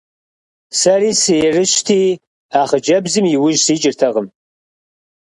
Сэри сыерыщти, а хъыджэбзым и ужь сикӀыртэкъым.